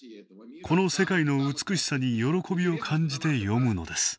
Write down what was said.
この世界の美しさに喜びを感じて詠むのです。